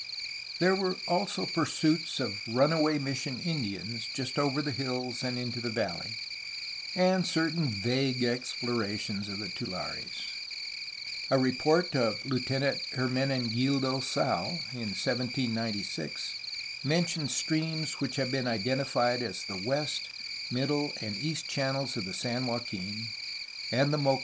There were also pursuits of runaway mission Indians just over the hills and into the valley, and certain vague explorations of the tulares. A re port of Lieutenant Hermenegildo Sal in 1796 mentions streams which have been identified as the west, middle, and east channels of the San Joaquin, and the Mokelumne, as 418